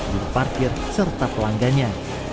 diri parkir serta pelanggannya